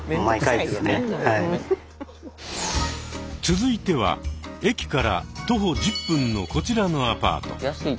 続いては駅から徒歩１０分のこちらのアパート。